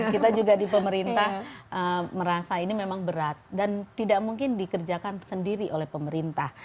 kita juga di pemerintah merasa ini memang berat dan tidak mungkin dikerjakan sendiri oleh pemerintah